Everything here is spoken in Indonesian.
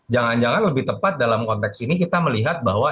jangan jangan lebih tepat dalam konteks ini kita melihat bahwa